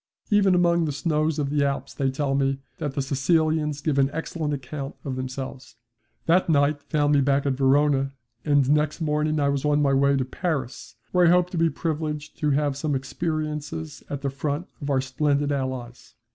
Even among the snows of the Alps they tell me that the Sicilians gave an excellent account of themselves. That night found me back at Verona, and next morning I was on my way to Paris, where I hope to be privileged to have some experiences at the front of our splendid Allies.